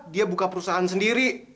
dia buka perusahaan sendiri